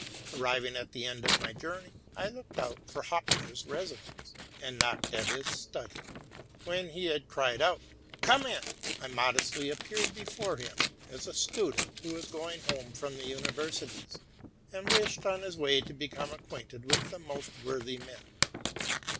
Arrived at the end of my journey, I looked out for Hopfner's residence, and knocked at his study. When he had cried out, '* Come in!'' I modestly appeared before him as a student who was going home from the universities, and wished on his way to become acquainted with the most worthy men.